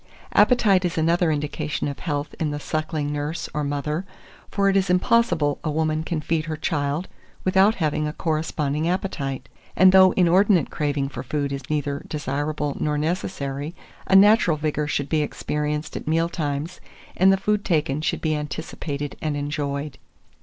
Appetite is another indication of health in the suckling nurse or mother; for it is impossible a woman can feed her child without having a corresponding appetite; and though inordinate craving for food is neither desirable nor necessary, a natural vigour should be experienced at meal times, and the food taken should be anticipated and enjoyed.